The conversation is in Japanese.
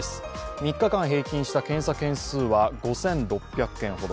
３日間平均した検査件数は５６００件ほど。